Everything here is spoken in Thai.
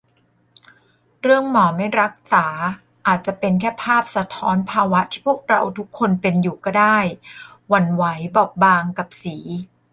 เรื่องหมอไม่รักษาอาจจะเป็นแค่ภาพสะท้อนภาวะที่พวกเราทุกคนเป็นอยู่ก็ได้ - หวั่นไหวบอบบางกับสี